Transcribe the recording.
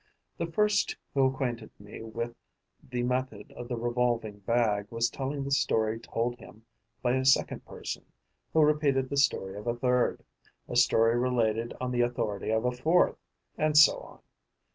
The first who acquainted me with the method of the revolving bag was telling the story told him by a second person, who repeated the story of a third, a story related on the authority of a fourth; and so on.